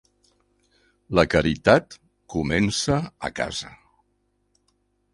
La caritat comença a casa